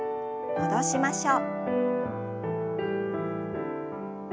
戻しましょう。